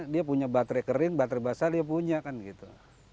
dia punya baterai kering baterai basah dia punya kan gitu